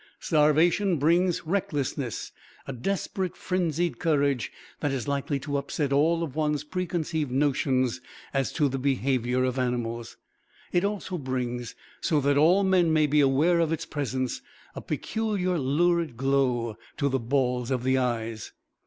Starvation brings recklessness, a desperate frenzied courage that is likely to upset all of one's preconceived notions as to the behaviour of animals. It also brings, so that all men may be aware of its presence, a peculiar lurid glow to the balls of the eyes.